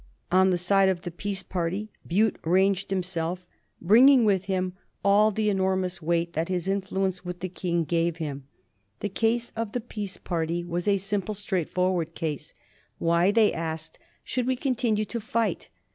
On the side of the peace party Bute ranged himself, bringing with him all the enormous weight that his influence with the King gave him. The case of the peace party was a simple, straight forward case. Why, they asked, should we continue to fight?